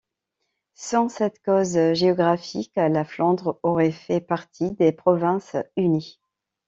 Sans cette cause géographique, la Flandre aurait fait partie des Provinces-Unies.